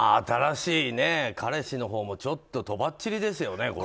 新しい彼氏のほうも、ちょっととばっちりですよね。